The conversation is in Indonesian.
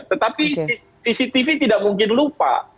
tetapi cctv tidak mungkin lupa